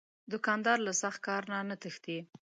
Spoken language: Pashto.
دوکاندار له سخت کار نه نه تښتي.